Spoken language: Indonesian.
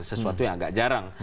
sesuatu yang agak jarang